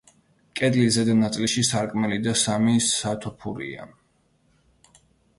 კედლის ზედა ნაწილში სარკმელი და სამი სათოფურია.